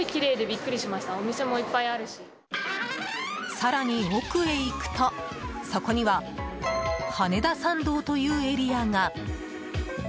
更に奥へ行くとそこには羽田参道というエリアが。